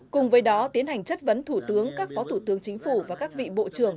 cùng với đó tiến hành chất vấn thủ tướng các phó thủ tướng chính phủ và các vị bộ trưởng